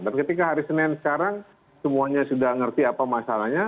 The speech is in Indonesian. dan ketika hari senin sekarang semuanya sudah mengerti apa masalahnya